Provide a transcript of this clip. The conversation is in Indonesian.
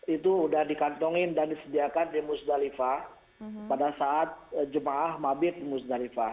itu sudah dikantongin dan disediakan di musdalifah pada saat jemaah mabit musdalifah